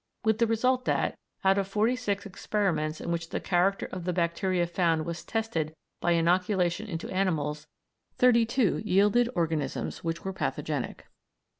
with the result that, out of forty six experiments in which the character of the bacteria found was tested by inoculation into animals, thirty two yielded organisms which were pathogenic.